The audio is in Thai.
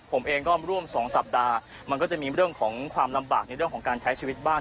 ผมเองก็ร่วม๒สัปดาห์มันก็จะมีเรื่องของความลำบากในเรื่องของการใช้ชีวิตบ้าน